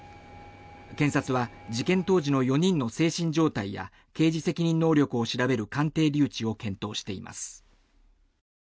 検察は事件当時の４人の精神状態や刑事責任能力を調べる鑑定留置を検討しています。